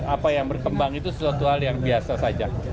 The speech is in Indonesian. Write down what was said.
apa yang berkembang itu suatu hal yang biasa saja